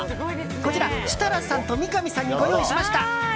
こちら、設楽さんと三上さんにご用意しました。